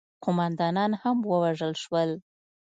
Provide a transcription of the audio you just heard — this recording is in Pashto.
قوماندانان هم ووژل شول.